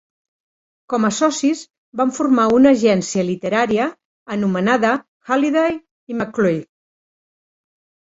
Com a socis, van formar una agència literària anomenada Halliday i McCloy.